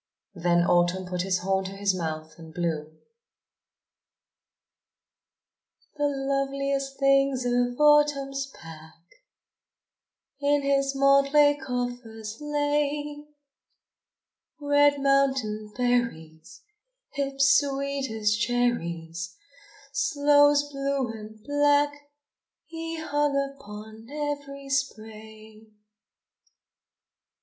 Then Autumn put his horn to his mouth and blew: The loveliest things of Autumn's pack In his motley coffers lay; Red mountain berries Hips sweet as cherries, Sloes blue and black He hung upon every spray.